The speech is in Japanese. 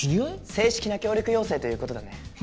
正式な協力要請という事だね。